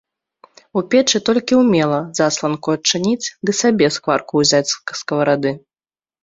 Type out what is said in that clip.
У печы толькі і ўмела засланку адчыніць ды сабе скварку ўзяць з скаварады.